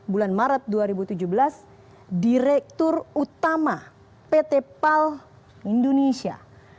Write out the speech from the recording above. bulan maret dua ribu tujuh belas direktur utama pt pal indonesia